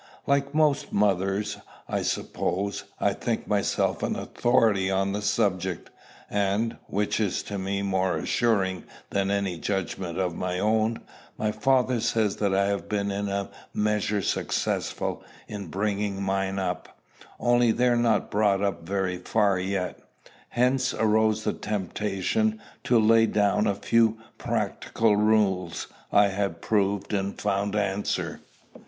Like most mothers, I suppose, I think myself an authority on the subject; and, which is to me more assuring than any judgment of my own, my father says that I have been in a measure successful in bringing mine up, only they're not brought up very far yet. Hence arose the temptation to lay down a few practical rules I had proved and found answer.